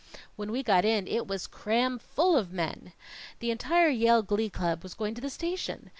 When we got in, it was cram full of men. The entire Yale Glee Club was going to the station!